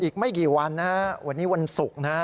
อีกไม่กี่วันวันนี้วันศุกร์